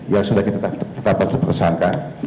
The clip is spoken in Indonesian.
yang sudah kita dapat sepersangka